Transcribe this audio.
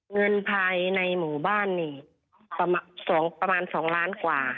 เงินภายในหมู่บ้านนี่ประมาณ๒ล้านกว่า